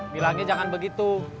bilangnya jangan begitu